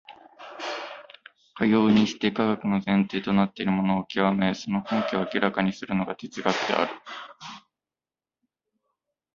かようにして科学の前提となっているものを究め、その根拠を明らかにするのが哲学である。